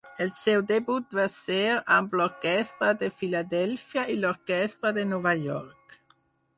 El seu debut va ser amb l'Orquestra de Filadèlfia, i l'Orquestra de Nova York.